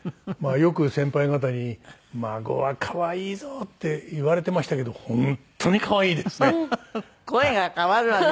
よく先輩方に「孫は可愛いぞ」って言われていましたけど本当に可愛いですね。